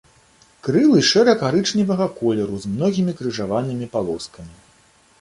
Крылы шэра-карычневага колеру, з многімі крыжаванымі палоскамі.